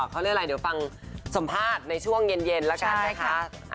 เขาเรียกอะไรเดี๋ยวฟังสัมภาษณ์ในช่วงเย็นแล้วกันนะคะ